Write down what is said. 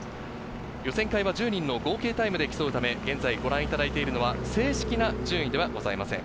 予選会は１０人の合計タイムで競うため現在、ご覧いただいているのは正式な順位ではございません。